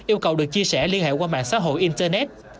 yêu cầu được chia sẻ liên hệ qua mạng xã hội internet